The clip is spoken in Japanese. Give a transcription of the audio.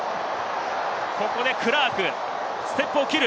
ここでクラーク、ステップを切る。